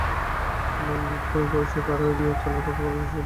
লৈঙ্গিক পরিচয় কারও এগিয়ে চলার পক্ষে বাধা সৃষ্টি করতে পারবে না।